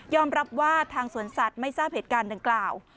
รับว่าทางสวนสัตว์ไม่ทราบเหตุการณ์ดังกล่าว